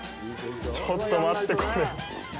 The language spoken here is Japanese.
ちょっと待って、これ。